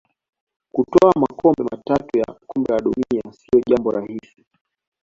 Kutwaa makombe matatu ya Kombe la dunia sio jambo rahisi